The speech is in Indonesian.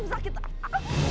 afif aku sakit